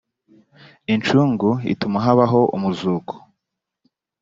incungu ituma habaho umuzuko